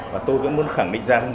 và tôi vẫn muốn khẳng định rằng